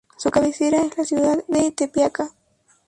Su cabecera es la ciudad de Tepeaca.